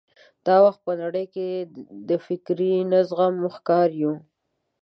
دا وخت په نړۍ کې د فکري نه زغم ښکار یو.